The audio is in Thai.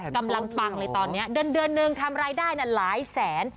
ปังเลยตอนนี้เดือนนึงทำรายได้หลายแสน